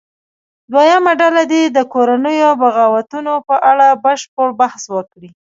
دویمه ډله دې د کورنیو بغاوتونو په اړه بشپړ بحث وکړي.